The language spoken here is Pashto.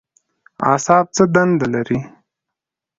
اعصاب څه دنده لري؟